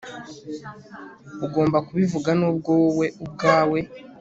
Ugomba kubivuga nubwo wowe ubwawe